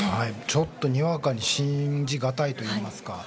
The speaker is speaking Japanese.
ちょっとにわかに信じがたいといいますか。